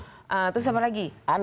terus siapa lagi